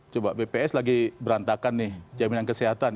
coba bps lagi berantakan nih jaminan kesehatan